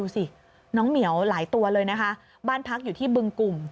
สิน้องเหมียวหลายตัวเลยนะคะบ้านพักอยู่ที่บึงกลุ่ม